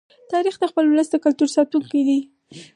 تاریخ د خپل ولس د کلتور ساتونکی دی.